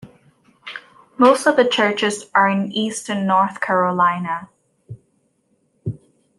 Most of the churches are in eastern North Carolina.